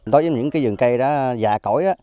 đối với những vườn cây dạ cõi